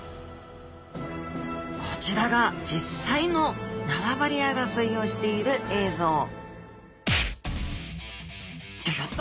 こちらが実際の縄張り争いをしている映像ギョギョッと！